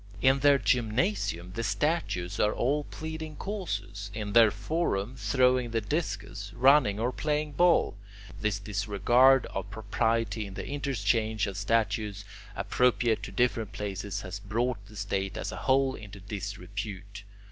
"In their gymnasium the statues are all pleading causes, in their forum, throwing the discus, running, or playing ball. This disregard of propriety in the interchange of statues appropriate to different places has brought the state as a whole into disrepute.